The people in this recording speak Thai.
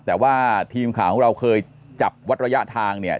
แต่ว่าทีมข่าวของเราเคยจับวัดระยะทางเนี่ย